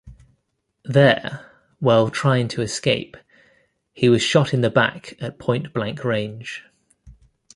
There, while trying to escape, he was shot in the back at point-blank range.